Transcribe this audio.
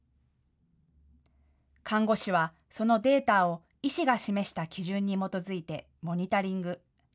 看護師はそのデータを医師が示した基準に基づいてモニタリング。